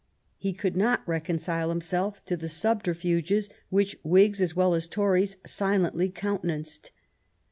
He could not reconcile himself to the subterfuges which Whigs as well as Tories silently countenanced.